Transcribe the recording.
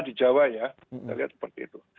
di jawa ya kita lihat seperti itu